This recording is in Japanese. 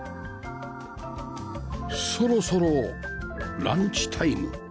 そろそろランチタイム